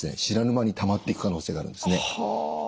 知らぬ間にたまっていく可能性があるんですね。